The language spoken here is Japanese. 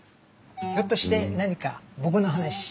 ひょっとして何か僕の話してます？